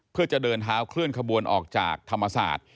เพื่อจะเดินเท้าเคลื่อนขบวนออกจากธรรมศาสตร์